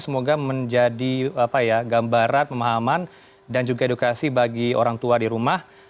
semoga menjadi gambaran pemahaman dan juga edukasi bagi orang tua di rumah